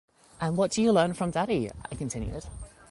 ‘And what do you learn from daddy?’ I continued.